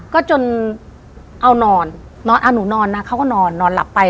ก็จนเอานอนนอนเอาหนูนอนนะเขาก็นอนนอนหลับไป